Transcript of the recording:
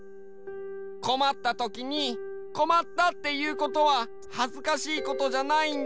こまったときにこまったっていうことははずかしいことじゃないんだよ。